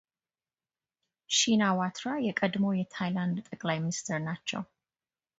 ሺናዋትራ የቀድሞ የታይላንድ ጠቅላይ ሚኒስትር ናቸው።